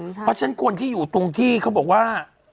เพราะฉะนั้นคนที่อยู่ตรงที่เขาบอกว่า